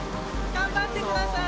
頑張ってください。